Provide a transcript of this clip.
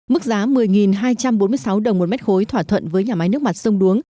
mức giá một mươi hai trăm bốn mươi sáu đồng một mét khối thỏa thuận với nhà máy nước mặt sông đuống